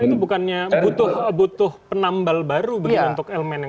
itu bukannya butuh penambal baru untuk elemen yang sama